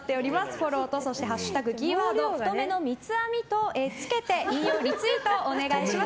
フォローと「＃太めの三つ編み」とつけて引用リツイートお願いします。